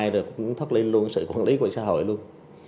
rồi cũng thoát ly luôn sự quản lý của xã hội luôn